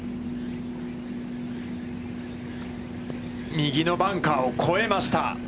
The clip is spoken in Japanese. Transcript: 右のバンカーを越えました。